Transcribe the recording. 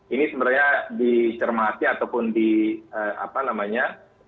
ini sebenarnya dicermati ataupun di apa namanya